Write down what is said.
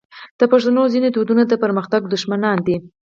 د پښتنو ځینې دودونه د پرمختګ دښمنان دي.